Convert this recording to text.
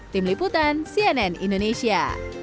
tim liputan cnn indonesia